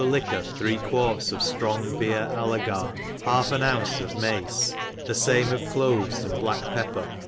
liquor three quarts, of ftrong bf^er ailegar, h^lf an ounce of' mdce» the fame of cloves and bla^k pepp9r